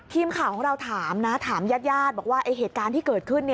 ทีมข่าวของเราถามนะถามญาติญาติบอกว่าเหตุการณ์ที่เกิดขึ้น